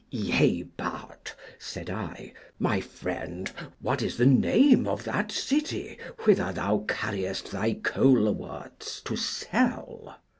Yea but, said I, my friend, what is the name of that city whither thou carriest thy coleworts to sell?